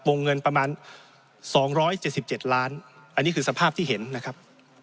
วงเงินประมาณสองร้อยเจสิบเจ็ดล้านอันนี้คือสภาพที่เห็นนะครับ